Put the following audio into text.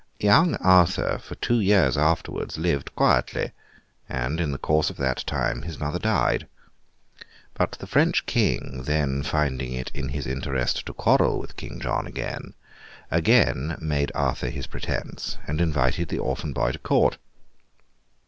Young Arthur, for two years afterwards, lived quietly; and in the course of that time his mother died. But, the French King then finding it his interest to quarrel with King John again, again made Arthur his pretence, and invited the orphan boy to court.